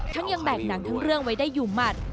ยังแบกหนังทั้งเรื่องไว้ได้อยู่หมัด